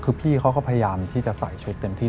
คือพี่เขาก็พยายามที่จะใส่ชุดเต็มที่